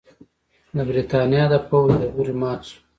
د برېټانیا د پوځ له لوري مات شو.